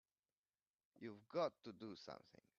You've got to do something!